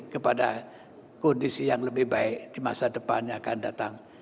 kepada kondisi yang lebih baik di masa depan yang akan datang